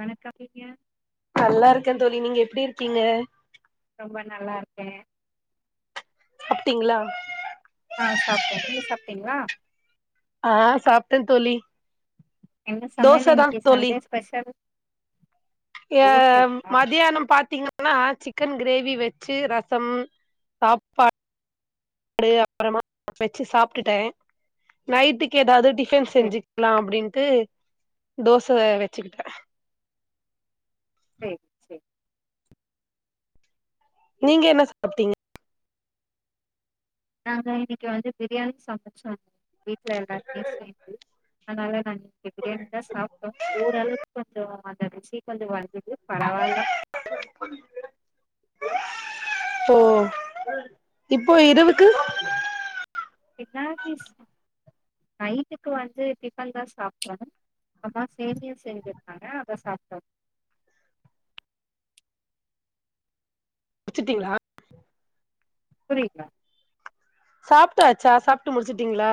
வணக்கம் ஐயா நல்லா இருக்கே தோழி நீங்க எப்டி இருக்கீங்க ரொம்ப நல்லா இர்க்கே சாப்ட்டிங்ளா ஆ சாப்ட்டே நீங்க சாப்ட்டீங்ளா ஆ சாப்ட்ட தோழி என்ன சமயல் தோச தா இன்னைக்கி தோழி சண்டே ஸ்பெஷல் ஏ தோசைங்களா மதியானம் பாத்தீங்க னா சிக்கன் கிரேவி வச்சு ரசம் சாப்பா டு அப்புறமா வச்சு சாப்ட்டுட்டே நைட்டுக்கு எதாவது டிஃப ன் சரி சரி செஞ்சிக்கலா அப்டின்ட்டு தோச வச்சிகிட்ட சேர் சேர் நீங்க என்ன சாப்ட்டீங்க நாங்க இன்னைக்கு வந்து பிரியாணி சமைச்சோ வீட்ல எல்லாத்துக்கு சேத்து அதனால நா இன்னைக்கு பிரியாணி தா சாப்பிட்டோ ஓரளவுக்கு கொஞ்ச நல்லாறின்ச்சி கொஞ்ச வந்துட்டு பரவால்ல [unintelligible] ஓ இப்போ இரவுக்கு என்னா பீஸ் நைட்டுக்கு வந்து டிஃபன் தா சாப்ட்ட அம்மா சேமியா செஞ்சுருக்காங்க அதா சாப்ட்டோ வச்சுட்டீங்களா புரியலா சாப்ட்டாச்சா சாப்ட்டு முடிச்சிட்டிங்ளா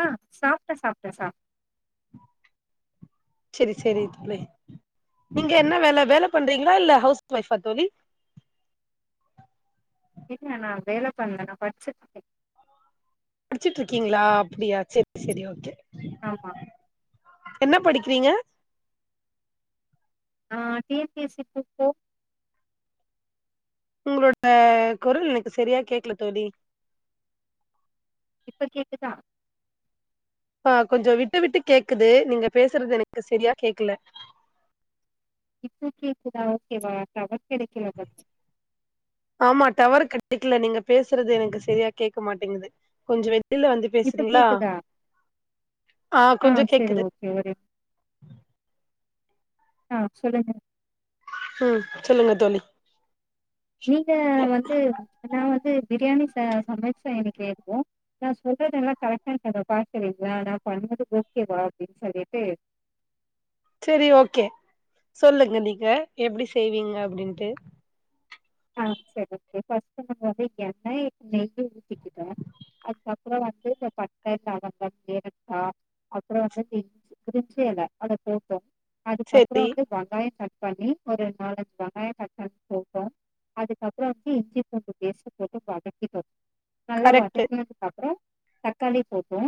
ஆ சாப்ட்டே சாப்ட்டே சாப்ட் சேரி சேரி தோழி நீங்க என்னால வேல வேல பண்றீங்களா இல்ல ஹவுஸ் ஒய்ஃபா தோழி இல்ல நா வேல பண்ணல்ல நா படிச்சிட்ருக்கே படிச்சிட்டு இருக்கீங்களா அப்டியா சேரி சேரி ஓகே ஆமா என்ன படிக்கிறீங்க நா T N P S C group four ம் உங்களோட குரல் எனக்கு சரியா கேக்கல தோழி இப்ப கேக்குதா ஆ கொஞ்சோ விட்டு விட்டு கேட்குது நீங்க பேசுறது எனக்கு சரியா கேக்கல இப்ப கேக்குதா ஓகேவா டவர் கெடைக்கல [unintelligible] ஆமா டவர் கிடைக்கல நீங்க பேசுறது எனக்கு சரியா கேக்க மாட்டேங்குது கொஞ்சோ வெயிட் இல்ல வெளில வந்து இப்ப பேசுறீங்களா கேக்குதா ஆ கொஞ்சோ கேக்குது சேரி ஆ சொல்லுங்க ம் சொல்லுங்க தோழி நீங்க வந்து நா வந்து பிரியாணி ச சமைச்சே இன்னிக்கு எல்லாருக்கு நா சொல்றதெல்லா கரெக்டான பாக்குறீங்களா நா பண்ணது ம்போது ஓகேவா அபடின்னு சொல்லிட்டு சேரி ஓகே சொல்லுங்க நீங்க எப்படி செய்வீங்க அப்படின்ட்டு ஆ சேரி ஓகே [unintelligible] வந்து எண்ணெய் நெய் ஊத்திக்கிட்ட அதுக்கு அப்றோ வந்து இந்த பட்ட லவங்கம் ஏலக்கா அப்றோ வந்து [unintelligible] ப்ரிஞ்சி எல அத போட்டோ அதுக்கப்புறோ செரி வந்து வங்காயோ கட் பண்ணி ஒரு நாலஞ்சு வெங்காயோ கட் பண்ணி போட்டோ அதுக்கப்புறோ வந்து இஞ்சி பூண்டு பேஸ்ட்ட போட்டு வதக்கிட்டோ நல்லா கரெக்ட்டு வதக்கி அப்றோ தக்காளி போட்டோ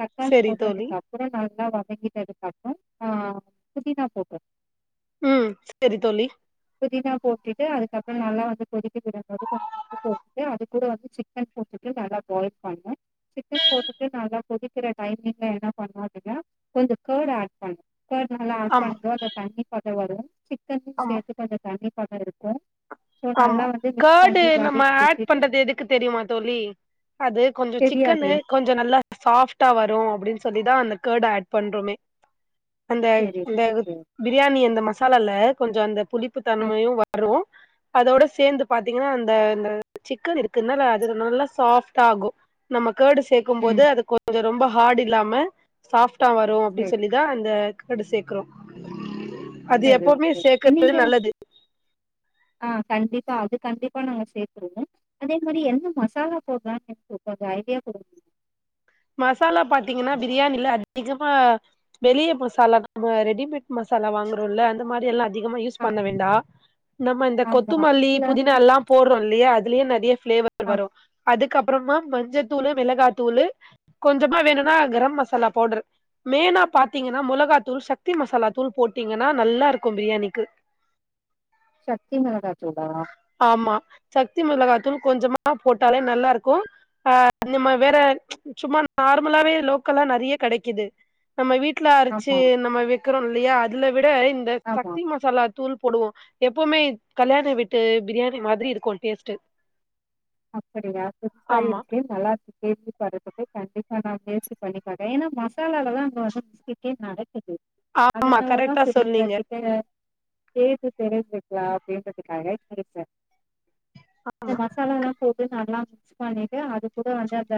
தக்காளி செரி தோழி போட்டதுக்கப் பறோ நல்லா வதக்கிட்டதுக்கப்பறோ ஆ புதினா போட்டோ ம் சேரி தோழி புதினா போட்டுட்டு அதுக்கப்புறோ நல்லா வந் து கொதிக்க விடும்போது கொஞ்சோ [inaudible] போட்டுட அது கூட வந்து சிக்கன் போட்டுட்டு நல்லா பாயில் பண்ணே சிக்கன் போட்டுட்டு நல்லா கொதிக்கிற டைமிங்ல என்னா பண்ணு அப்டின்னா கொஞ்சோ கர்டு ஆட் பண்ணு கர்ட் நல்லா ஆட் ஆமா பண் கர்டு தண்ணி பதோ வரு சிக்கன் ஆமா சேர்த்து [unintelligible] தண்ணி பதோ இருக்கு சோ ஆமா நல்லா வந்து மிக்ஸ் கர்டு பண்ணி நம்ம வதக்கி ஆட் விட்டுட்டு பண்றது எதுக்கு தெரியுமா தோழி அது கொஞ்சோ சிக்கன்னு தெரியாதே கொஞ்சோ நல்லா சாஃப்ட்டா வரு அப்டினு சொல்லிதா அந்த கர்டு ஆட் பண்றொமே அந்த செரி அந்த ஓகே பிரியாணி அந்த மசாலால கொஞ்சோ அந்த புளிப்பு அப் தன்மையு வரு அதோட சேந்து பாத்தீங்கன்னா அந்த இந்த சிக்கன் இருக்குன்னல அதுல நல்லா சாஃப்டாகு நம்ம கர்டு சேக் கும்போது ம் அது கொஞ்சோ ரொம்ப ஹாடு இல்லாம சாப்ட்டா வரு அப்டினு செரி சொல்லிதா அந்த கர்டு சேக்குறோ அது செரி எப்பமே ஓகே சேக்குறது நீங்க நல்லது ஆ கண்டிப்பா அது கண்டிப்பா நாங்க சேத்ருவோ அதே மாரி என்ன மசாலா போட்லான்னு எனக்கு கொஞ்சோ ஐடியா குடுங்க மசாலா பாத்தீங்கன்னா பிரியாணில அதிகமா வெளிய மசாலா நம்ம ரெடிமேட் மசாலா வாங்குறோல அந்த மாரியெல்லா அதிகமா யூஸ் ஆ பண்ண வேண்டா நம்ம இந்த ஆமா கொத்துமல்லி வீட்ல புதினாலாம் போடுறோ இல்லியா அதுலியே நெறைய பிளேவர் வரு ஆமா அதுக்கு அப்றமா மஞ்சத்தூளு மெளகாத்தூளு உப்பு கொஞ்சமா வேணும்னா கரம் மசாலா பவுடர்ரு மெய்னா பார்த்தீங்கன்னா மொளகா தூள் சக்தி மசாலா தூள் போட்டீங்கன்னா நல்லா இருக்கும் பிரியாணிக்கு சக்தி மொளகா தூளா ஆமா சக்தி மிளகாத்தூள் கொஞ்சமா போட்டாலே நல்லா இருக்கு ஆ நம்ம வேற சும்மா நார்மலாவே லோக்கலா நறைய கிடைக்குது நம்ம வீட்ல அரைச்சு ஆமா நம்ம வெ இருக்குரோ இல்லையா அதுல விட இந்த ஆமா சக்தி மசாலா தூள் போடுவோ எப்பவுமே கல்யாண விட்டு பிரியாணி மாதிரி இருக்கு டேஸ்ட் அப்டியா புதுசா ஆமா இருக்கு நல்லா இரு நேத்து பாடுபட்டு கண்டிப்பா நா பேசிக் பண்ணிக்காட்டுற ஏன்னா மசாலதா அங்க கிட்டே நடக்குது ஆமா அதனாலதா கரெக்டா சரிங்க சொன்னீங்க கிட்டக வக்கவே ஒ தெரிஞ்சிருக்கலா அப்டின்றதுக்காக செரி சார் இந்த மசாலால்லா போட்டு நல்லா மிக்ஸ் பண்ணிட்டு அது கூட வந்து அந்த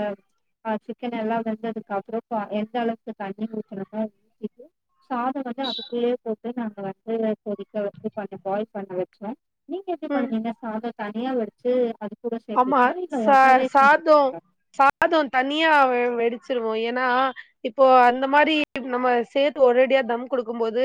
ஆ சிக்கன் எல்லா வெந்ததுக்கு அப்பறோ எந்த அளவுடுக்கு தண்ணி ஊத்தணுமோ ஊத்திட்டு சாதோ வந்து அதுக்குள்ளயே போட்டு நாங்க வந்து கொதிக்க வச்சி பண்ண பாயில் பண்ண வச்ச நீங்க எப்டி ம் பண்ணுவீங்க சாதோ தனியா வடிச்சு அதுக் ஆமா ச சாதோ சாதோ தனியா வெடிச்சிருவோ ஏன்னா இப்போ அந்த மாரி நம்ம சேர்த்து ஓரடியா தம் குடுக்கு போது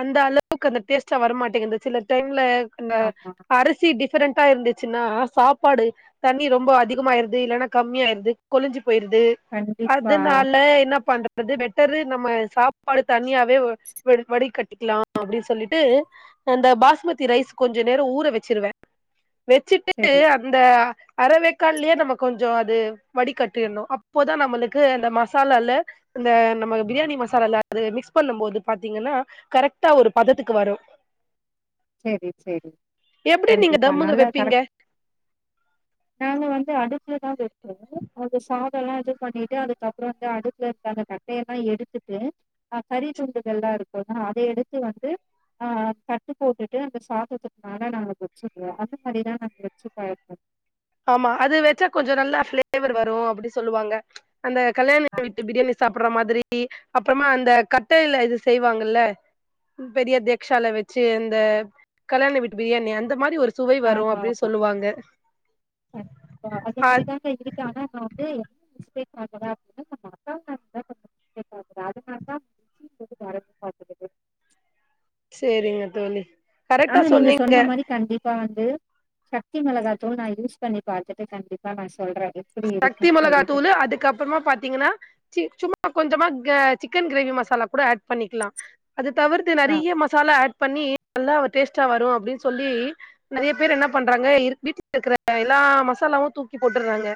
அந்த அளவுக்கு அந்த டேஸ்ட்ல வரமாட்டேங்குது சில டைம்ல இந்த ஆமா அரிசி டிஃப்ரெண்டா இருந்துச்சுன்னா சாப் சாப்பாடு தண்ணி ரொம்ப அதிகமாயிருது இல்ல கம்மியாயிருது கொழஞ்சு போயிருது கண்டிப்பா அதுனால என்ன பண்ற து பெட்டரு நம்ம சாப்பாடு தனியாவே வ வ வடி கட்டிக்கலாம் அப்டின்னு சொல்லிட்டு அந்த பாஸ்மதி ரைஸ் கொஞ்ச நேர ஊற வச்சிருவே வச்சுட்டு செரி அந்த அரவேக்காட்லயே நம்ம கொஞ்சோ அது வடி கட்டிணு அப்போதா நம்மளுக்கு அந்த மசாலால இந்த நம்ம பிரியாணி மசாலால அ மிக்ஸ் பண்ணு போது பாத்தீங்கன்னா கரெக்டா ஒரு பதத்துக்கு வரு செரி செரி எப்டி நீங்க கண்டிப்பா தம்முல நல்லா கரெக்ட் வைப்பீங்க நாங்க வந்து அடுப்புல தா வைப்போ அந்த சாத எல்லா இது பண்ணிட்டு அதுகப் பறோ அடுப்புல இருந்த அந்த கட்டையெல்லா எடுத்துட்டு கறி துண்டுகள்ல்லா இருக்கும்ன்னா அத எடுத்து வந்து ஆ கட்டு போட்டுட்டு அந்த சாப்றதுக்கு மேல நாங்க வச்சுருவோ அது மாதிரிதா நாங்க வச்சு பழக்குவோ ஆமா அது வச்சா கொஞ்ச நல்லா பிளேவர் வரு அப்டின்னு சொல்லுவாங்க அந்த கல்யாண வீட்டு பிரியாணி சாப் ப்பற மாதிரி அப்பறமா அந்த கட்டையில இது செய்வாங்கல்ல பெரிய தேக்சால வச்சு இந்த கல்யாண வீட்டு பிரியாணி அந்த மாரி ஒரு சுவை வரு அப்டின்னு சொல்லுவாங்க ம் ஆ அதன்படி தாங்க இது ஆனா நா வந்து [inaudible] இப்ப அது மார்தா இஷ்டத்துக்கு கட பாக்குறது சேரிங்க தோழி கரெக்டா ஆனா நீங்க சொன்னீங்க சொன்ன மாரி கண்டிப்பா வந்து சக்தி மிளகாய்த்தூள் நா யூஸ் பண்ணி பாத்துட்டு கண்டிப்பா நா சொல்ற சக்தி மிளகா தூளு அதுக்கப்பறமா பாத்தீங்கன்னா சி சும்மா கொஞ்சமா சிக்கன் கிரேவி மசாலா கூட ஆட் பண்ணிக்கலா அது தவிர்த்து ஆ நறைய மசாலா ஆட் பண்ணி நல்லா டேஸ்ட்டா வரும் அப்டின்னு சொல்லி நெறைய பேர் என்ன பண்றாங்க இருக் வீட்ல இருக்கிற எல்லா மசாலாவு தூக்கி போட்டுறாங்க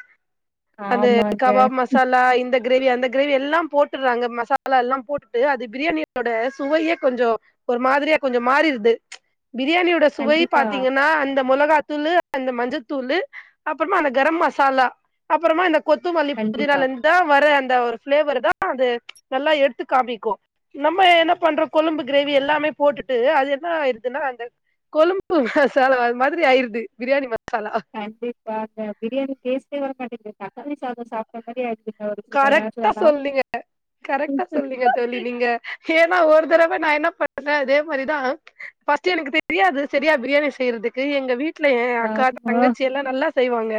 அந்த ஆமாங்க கபாப் மசாலா இந்த க்ரேவி அந்த கிரேவி எல்லா போட்டுறாங்க மசாலால்லா போட்டுட்டு அது பிரியாணியோட சுவையே கொஞ்சோ ஒரு மாதிரியா கொஞ்சோ மாறிடுது பிரியாணியோட சுவை கண்டிப்பா பாத்தீங்கன்னா அந்த முளகாத்தூளு அந்த மஞ்சத்தூளு அப்புறமா அந்த கரம் மசாலா அப்புறமா அந்த கொத்தமல்லி புதினா கண்டிப்பா புதினாலந்து தா வர அந்த ஒரு ப்ளேவர் தா அது நல்லா எடுத்து காமிக்கு நம்ம என்ன பண்றோ கொழும்பு க்ரேவி எல்லாமே போட்டுட்டு அது என்ன ஆய்டுதுன்னா அந்த கொழும்பு மசாலா அது மாரி ஆயிடுது பிரியாணி மசாலா கண்டிப்பா அந்த பிரியாணி டேஸ்ட்டே வர மாட்டேன்து தக்கிகாளி சாதோ சாப் சொன்ன மாரி ஆய்டுதுங்க ஒரு சில ராசி கரெக்டா எல்லா சொன்னீங்க கரெக்டா சொன்னீங்க தோழி நீங்க ஏனா ஒரு தடவ நா என்ன பண்றண அதே மாரிதா ஃபஸ்ட்டு எனக்கு தெரியாது சரியா பிரியாணி செய்யறதுக்கு எங்க வீட் வீட்ல ஏ அக்கா ஆமா தங்கச்சி எல்லா நல்லா செய்வாங்க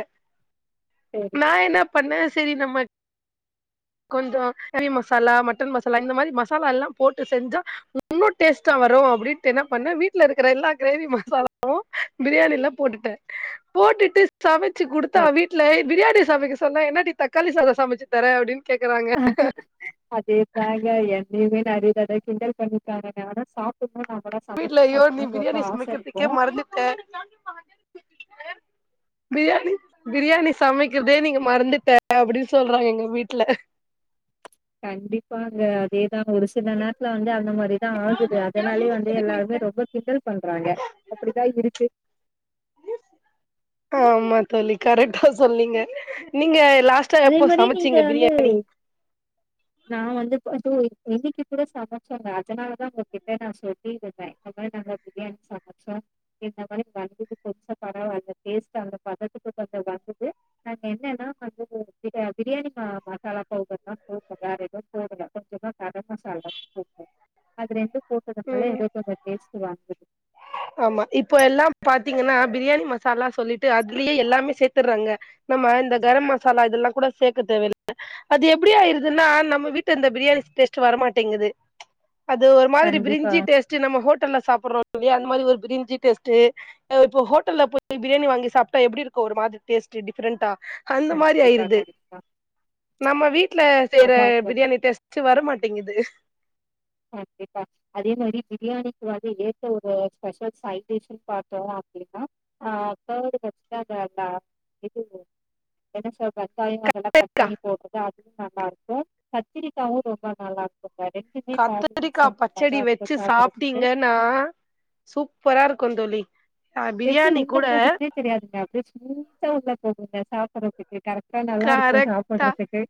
செரி நா என்னப் பண்ண சேரி நம்ம கொஞ்சோ கறி மசாலா மட்டன் மசாலா இந்த மாதிரி மசாலால்லா போட்டு செஞ்சா இன்னு டேஸ்ட்டா வரு அப்டின்ட்டு என்ன பண்ண வீட்ல இருக்கிற எல்லா க்ரேவி மசாலாவு பிரியாணில்ல போட்டுட்ட போட்டுட்டு சமைச்சு குடுத்தா செரி வீட்ல பிரியாணி சமைக்க சொன்னா என்னடி தக்காளி சாதோ சமச்சு தர அப்படின்னு அதேதாக என்னையுமே நரைய தடவை அதை கிண்டல் பண்ணிருக்காங்க ஆனா சாப்ப [unintelligible] சமச்சு சாப்பிடணுனு ரொம்ப ஆச இருக்கு அ [inaudible] பிரியாணி பிரியாணி சமைக்கிறதே நீங்க மறந்துட்ட அப்டி சொல்றாங்க எங்க வீட்ல கண்டிப்பாங்க அதேதா ஒரு சில நேரத்துல வந்து அந்த மாரிதா ஆகுது அதனாலயே வந்து எல்லாருமே ரொம்ப கிண்டல் பண்றாங்க அப்படிதா இருக்கு ஆமா தோழி கரெக்டா சொன்னீங்க நீங்க லாஸ்ட் அதே மாரி நீங்க வந்து நா வந்து அது என்னைக்கு கூட சமைச்சிர்ற அதனால தா உங்ககிட்ட நா சொல் தி கேட்ட இந்த மாரி நாங்க பிரியாணி சமச்சு இந்த மாரி வந்தது கொஞ்ச பரவால்ல அந்த டேஸ்ட் அந்த பதத்துக்குந்த வந்தது அது என்னனா வந்து பிரி பிரியாானி மசாலா பவுடர் தா போட் ட வேற ஏது போடல கொஞ்சமா கரம் மசாலா போட்ட அது ரெண்டு போட்டதுனால ம் ஏதோ கொஞ்சோ டேஸ்ட்டு வாங்குது ஆமா இப்போ எல்லா பாத்தீங்கன்னா பிரியாணி மசாலா சொல்லிட்டு அதுலே எல்லாமே சேத்துராங்க நம்ம இந்த கரம் மசாலா இதெல்லா கூட சேக்க தேவயில்ல அது எப்டி ஆய்ருதுன்னா நம்ம வீட்டு இந்த பிரியாணி டேஸ்ட்டு வரமாட்டேங்குது அது ஒரு மாதிரி கண்டிப்பா பிரிஞ்சி டேஸ்ட்டு நம்ம ஹோட்டல்ல சாப்புடுறோ இல்லையா அந்த மாதிரி ஒரு பிரிஞ்சி டேஸ்ட்டு அ இப்ப ஹோட்டல்ல போய் பிரியாணி வாங்கி சாப்ட்டா எப்டி இருக்கு ஒரு மாதிரி டேஸ்ட்டு டிஃப்ரெண்டா அந்த மாரி கண்டிப்பா ஆய்ருது கண்டிப்பா. நம்ம வீட்டல செய்ற ஆமாங்க. பிரியாணி டேஸ்ட்டு வரமாட்டேங்குது கண்டிப்பா அதே மாரி பிரியாணிக்கு வந்து ஏத்த ஒரு ஸ்பெஷல் சைடிஷ்ன்னு பாத்தோ அப்டின்னா ஆ [inaudible] தக்காளி மொதல்ல கட் கா பண்ணி போட்டுடா நல்லா இருக்கும் கத்திரிக்காவும் ரொம்ப நல்லா இருக்கும் [unintelligible] ரெண்டு கத்தரிக்காய் பச்சடி வச்சு சாப்பிடறதுக்கு. சாப்பிட்டீங்க ன்னா சூப்பரா இருக்குன் ‌ தோழி ஆ எப்டி பிரியாணி உள்ள கூட போகுதுன்னே தெரியாதுங்க அப்டியே ஸ்மூதா உள்ள போகுங்க சாப்பறது இது கரெக்டா நல்லா இருக்கும் கரெக்டா சாப்பட்றதுக்கு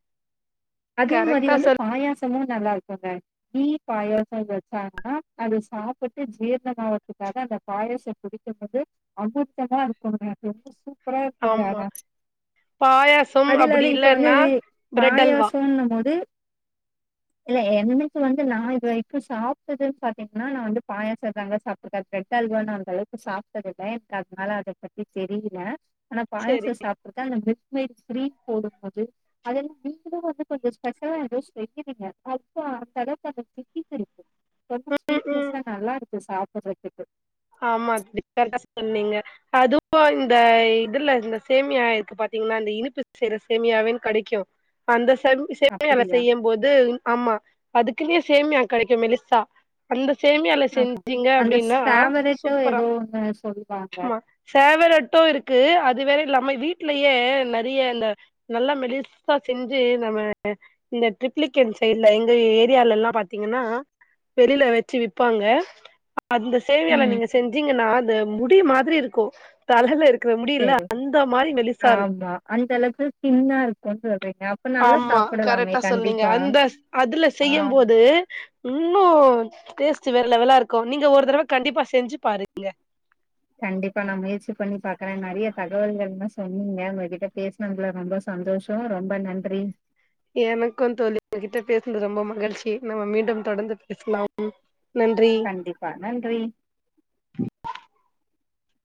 அதே மாரி கரெக்டா வந்து சொல் பாயாஸ் சமும் நல்லா இருக்குங்க [unintelligible] பாயச வச்சாங்கன்னா அது சாப்புட்டு ஜீர்ணம் ஆறத்துக்காக அந்த பாயச குடிக் றதுக்து அமிரதமா இருக்குங்க ரொம்ப சூப்பரா இருக்குங்க ஆமா ஆனா பாயாசம் அது அப்டி இல்லாத இப்பவந்து இல்லன்னா பிரெட் அல்வா பாயாசோன்னு போது இல்ல என்னைக்கு வந்து நா இது வரிக்குன் சாப்ட்டதுன் பாத்தீங்கன்னா நான் வந்து பாயாசோதாங்க சாப் இப்ப ப்ரெட் அல்வானாங் தோழி சாப்ட்டது இல்ல எனக்கு அதனால அத பத்தி தெரியில ஆனா செரி பாயசம் சாப் ட்ருக்கேன் அந்த மீல்க் மேய்டு ஸ்வீட் போடும் போது அதெல்லாம் நீங்களும் வந்து கொஞ்சோ ஸ்பெஷலா ஏதோ செஞ்சிறீங்க அதான் அப்ப அடுத்தடவை அந்த தித்திப்பு இருக்குன் ரொம்ப ம் ம் ஸ்வீட்னஸ்ஸா நல்லா இருக்கு சாப்புட்றதுக்கு ஆமா கரெக்ட்டா சொன்னீங்க அதுவும் அந்த இதுல இந்த சேமியா இருக்கு பாத்தீங்கனா இந்த இனிப்பு செய்யற சேமியாவேன் கெடைக்கும் அந்த செம் சேமியால அப்படியா செய்யம் போது ஆமா அதுக்குன்னே சேமியா கெடைக்கும் மெலிசா அந்த சேமியால ஆமா செஞ்சீங்க அந்த அப்டின்னா சாவரட்டோ ஏதோ ஒண்ணு சொல்லுவாங்க சேவரட்டும் இருக்கு அது வேற இல்லாம வீட்லயே நெறைய இந்த நல்லா மெலிசா செஞ்சு நம்ம இந்த ட்ரிப்ளிகன் சைட்ல எங்க ஏரியாலல்லாம் பாத்தீங்கனா வெளியில வச்சு விப்பாங்க அந்த சேமியால ம் நீங்க செஞ்சீங்கனா அ அது முடி மாதிரி இருக்கும் தலையில இருக்கிற முடியில சேரி அந்த மாரி மெலிசா இருக்கு ஆமா அந்த அளவுக்கு தின்னா இருக்கும்னு சொல்றீங்க அப்ப நல்லா ஆமா சாப்பிடலாமே கரெக்டா சொன்னீங்க கண்டிப்பா அந்த அதுல ஆ செய்யம் போது இன்னும் டேஸ்ட் வேற லெவலா இருக்கும் நீங்க ஒரு தறவ கண்டிப்பா செஞ்சு பாருங்க கண்டிப்பா நா முயற்சி பண்ணி பாக்குறேன் நெறைய தகவல்கள்ல்லா சொன்னீங்க உங்ககிட்ட பேச னதுல ரொம்ப சந்தோஷம் ரொம்ப நன்றி எனக்குன் தோழி உங்ககிட்ட பேசுனது ரொம்ப மகிழ்ச்சி நம்ம மீண்டும் தொடந்து பேசலாம் நன்றி கண்டிப்பா நன்றி